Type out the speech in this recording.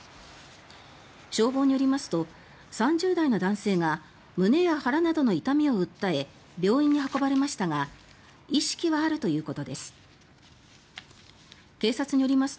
消防によりますと３０代の男性が胸や腹などの痛みを訴え病院に運ばれましたが意識はあるということです。